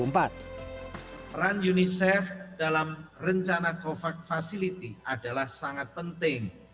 peran unicef dalam rencana covax facility adalah sangat penting